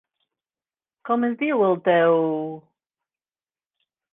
Com es diu el teu...?